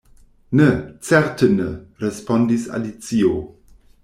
"Ne, certe ne!" respondis Alicio.